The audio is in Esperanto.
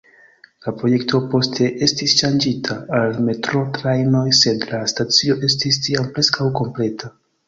La projekto poste estis ŝanĝita al metroo-trajnoj, sed la stacio estis tiam preskaŭ kompleta.